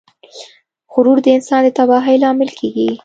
غرور د انسان د تباهۍ لامل کیږي.